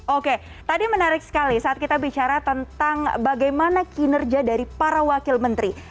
oke tadi menarik sekali saat kita bicara tentang bagaimana kinerja dari para wakil menteri